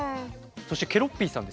そしてケロッピーさんですね